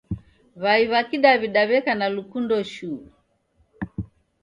W'ai w'a kidaw'ida w'eka na lukundo shuu.